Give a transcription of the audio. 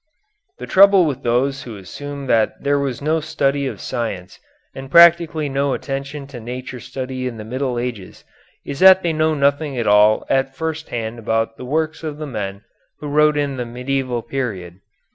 The trouble with those who assume that there was no study of science and practically no attention to nature study in the Middle Ages is that they know nothing at all at first hand about the works of the men who wrote in the medieval period.